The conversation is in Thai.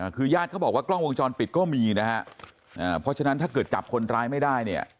คือญาติเขาบอกว่ากล้องวงจรปิดก็มีนะฮะเพราะฉะนั้นถ้าเกิดจับคนร้ายไม่ได้เนี่ย